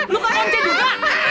lu kakak kongsi juga